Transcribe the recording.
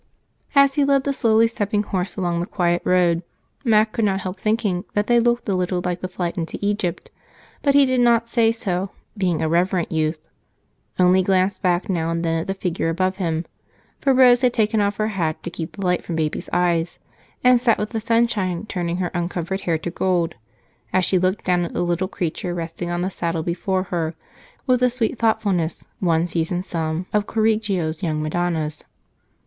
As he led the slowly stepping horse along the quiet road, Mac could not help thinking that they looked a little like the Flight into Egypt, but he did not say so, being a reverent youth only glanced back now and then at the figure above him, for Rose had taken off her hat to keep the light from baby's eyes and sat with the sunshine turning her uncovered hair to gold as she looked down at the little creature resting on the saddle before her with the sweet thoughtfulness one sees in some of Correggio's young Madonnas.